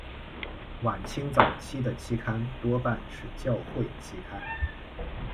晚清早期的期刊多半是教会期刊。